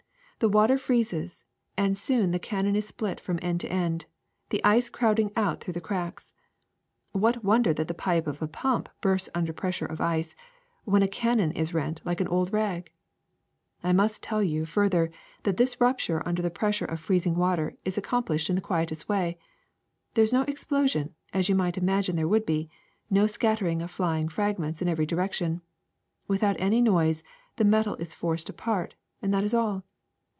The water freezes and soon the cannon is split from end to end, the ice crowding out through the cracks. What wonder that the pipe of a pump bursts under pressure of ice, when a cannon is rent like an old rag ? I must tell you further that this rupture under the pressure of freezing water is accomplished in the quietest way. There is no explosion, as you might imagine there would be, no scattering of flying frag ments in every direction. Without any noise the metal is forced apart, and that is all.